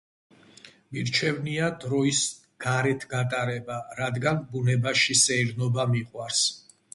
მირჩევნია დროის გარეთ გატარება რადგან ბუნებაში სეირნობა მიყვარს